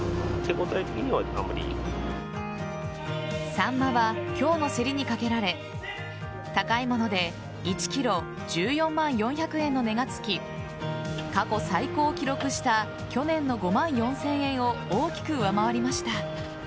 サンマは今日の競りにかけられ高いもので１ｋｇ１４万４００円の値がつき過去最高を記録した去年の５万４０００円を大きく上回りました。